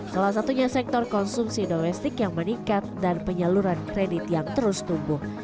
salah satunya sektor konsumsi domestik yang meningkat dan penyaluran kredit yang terus tumbuh